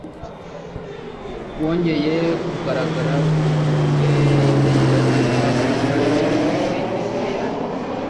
wongeye kugaragara ku nkombe y'iburengerazuba akora iperereza kuri fbi